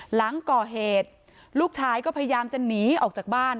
หลังก่อเหตุลูกชายก็พยายามจะหนีออกจากบ้าน